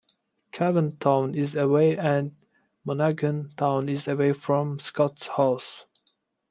Cavan town is away and Monaghan town is away from Scotshouse.